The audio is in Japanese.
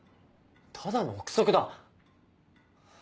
ただの臆測だ。